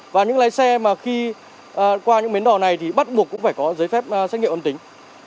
và những lái xe mà khi qua những bến đò này thì bắt buộc cũng phải có giấy phép xét nghiệm âm tính